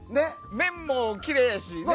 麺もきれいやしね。